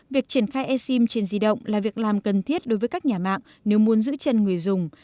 việc triển khai e sim trên di động là việc làm cần thiết đối với các nhà mạng nếu muốn giữ chân người dùng